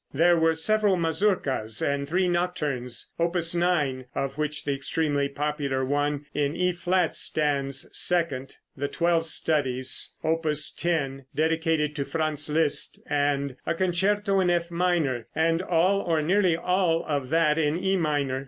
There were several mazurkas, the three nocturnes, Opus 9, of which the extremely popular one in E flat stands second; the twelve studies, Opus 10, dedicated to Franz Liszt, and a concerto in F minor, and all or nearly all of that in E minor.